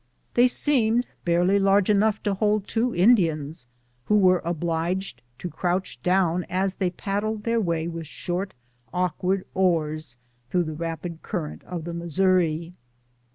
They seemed barely large enough to hold two Indians, who were obliged to crouch down as they paddled their way with short, awk ward oars through the rapid current of the Missouri.